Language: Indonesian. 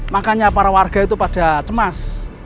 makanya para warga itu pada cemas